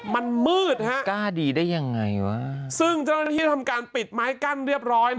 มันมืดฮะกล้าดีได้ยังไงวะซึ่งเจ้าหน้าที่ทำการปิดไม้กั้นเรียบร้อย